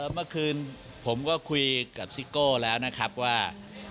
เมื่อคืนผมก็คุยกับซิโก้แล้วนะครับว่า